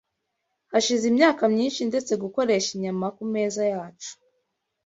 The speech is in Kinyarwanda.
Hashize imyaka myinshi ndetse gukoresha inyama ku meza yacu